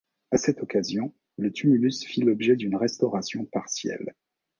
A cette occasion, le tumulus fit l'objet d'une restauration partielle.